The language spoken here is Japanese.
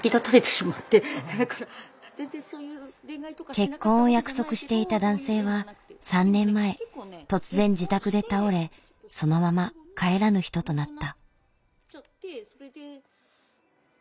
結婚を約束していた男性は３年前突然自宅で倒れそのまま帰らぬ人となった。